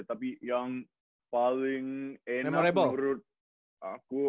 tapi yang paling enak menurut aku